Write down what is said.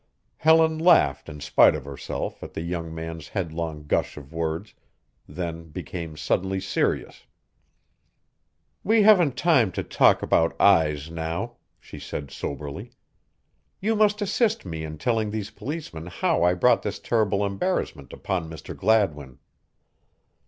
Helen laughed in spite of herself at the young man's headlong gush of words, then became suddenly serious. "We haven't time to talk about eyes now," she said soberly. "You must assist me in telling these policemen how I brought this terrible embarrassment upon Mr. Gladwin."